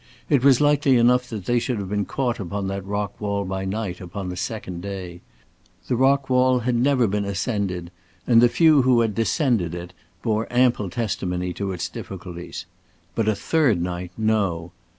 It was likely enough that they should have been caught upon that rock wall by night upon the second day. The rock wall had never been ascended, and the few who had descended it bore ample testimony to its difficulties. But a third night, no!